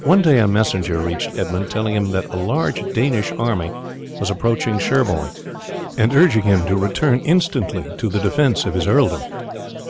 One day a messenger reached Edmund telling him that a large Danish army was approaching Sherborne, and urging him to return instantly to the defence of his earldom.